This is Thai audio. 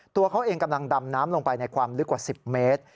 ตัวเขาเองกำลังดำน้ำลงไปในความลึกกว่า๑๐เมตร